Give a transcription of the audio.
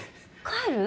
帰る？